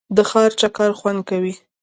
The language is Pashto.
د ښار چکر خوند کوي.